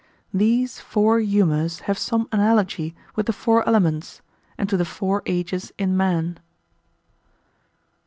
These four humours have some analogy with the four elements, and to the four ages in man.